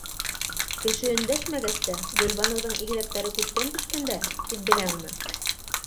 Кеше өндәшмәгәс тә, Гөлбаныуҙың игеҙәктәре күктән төшкәндәр, тип беләңме?!